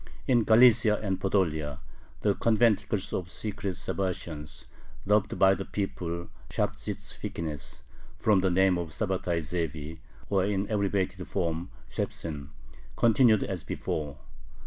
In Galicia and Podolia, the conventicles of "Secret Sabbatians," dubbed by the people "Shabsitzvinnikes" (from the name of Sabbatai Zevi), or, in abbreviated form, "Shebsen," continued as before.